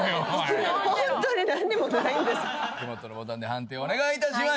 お手元のボタンで判定をお願いいたします。